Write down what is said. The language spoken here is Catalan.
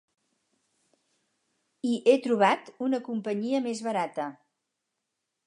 I he trobat una companyia més barata.